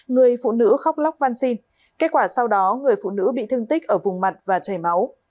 người phụ nữ khóc lóc văn xin kết quả sau đó người phụ nữ bị thương tích ở vùng mặt và chảy máu